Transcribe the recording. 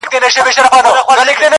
دایمي ژوندون-